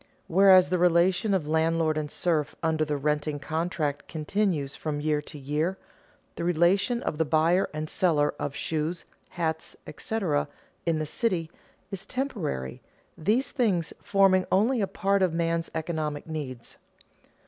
Whereas the relation of landlord and serf under the renting contract continues from year to year, the relation of the buyer and seller of shoes, hats, etc., in the city, is temporary, these things forming only a part of man's economic needs.